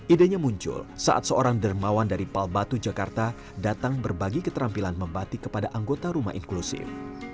ide nya muncul saat seorang dermawan dari palbatu jakarta datang berbagi keterampilan membati kepada anggota rumah inklusif